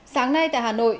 sáng nay tại hà nội